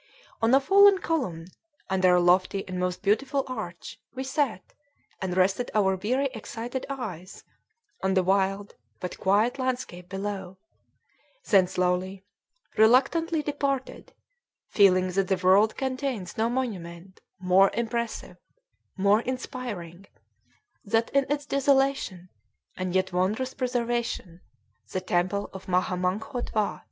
On a fallen column, under a lofty and most beautiful arch, we sat, and rested our weary, excited eyes on the wild but quiet landscape below; then slowly, reluctantly departed, feeling that the world contains no monument more impressive, more inspiring, than, in its desolation, and yet wondrous preservation, the temple of Maha Naghkon Watt.